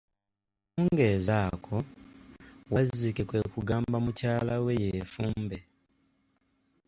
Akawungeezi ako, wazzike kwe kugamba omukyala yeefumbe!